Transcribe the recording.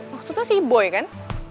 maksudnya si boy kan